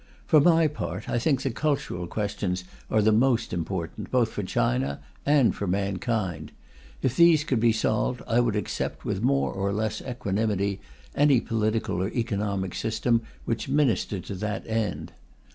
For my part, I think the cultural questions are the most important, both for China and for mankind; if these could be solved, I would accept, with more or less equanimity, any political or economic system which ministered to that end.